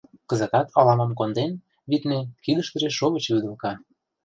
Кызытат ала-мом конден, витне, — кидыштыже шовыч вӱдылка.